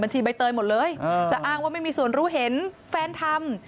ใบเตยหมดเลยจะอ้างว่าไม่มีส่วนรู้เห็นแฟนทำ